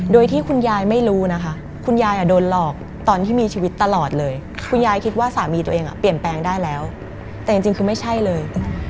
โดยที่คุณยายไม่รู้นะคะคุณยายโดนหลอกตอนที่มีชีวิตตลอดเลยคุณยายคิดว่าสามีตัวเองเปลี่ยนแปลงได้แล้วแต่จริงคือไม่ใช่เลย